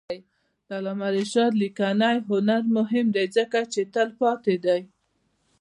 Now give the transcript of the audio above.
د علامه رشاد لیکنی هنر مهم دی ځکه چې تلپاتې دی.